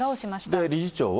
で、理事長は。